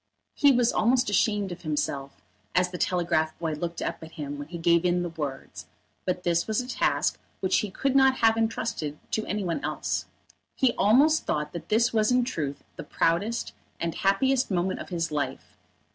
He was almost ashamed of himself as the telegraph boy looked up at him when he gave in the words, but this was a task which he could not have entrusted to any one else. He almost thought that this was in truth the proudest and happiest moment of his life.